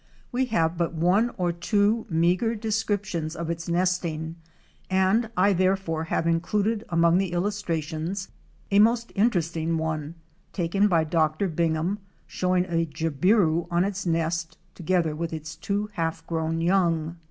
We have but one or two meagre 354 OUR SEARCH FOR A WILDERNESS. descriptions of its nesting and I therefore have included among the illustrations a most interesting one taken by Dr. Bingham, showing a Jabiru on its nest together with its two half grown young.